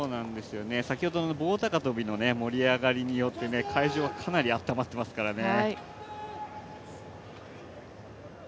先ほどの棒高跳の盛り上がりによって、会場、かなりあったまってますからね。